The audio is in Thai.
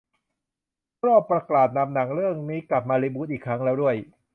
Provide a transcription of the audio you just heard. ก็ประกาศนำหนังเรื่องนี้กลับมารีบูตอีกครั้งแล้วด้วย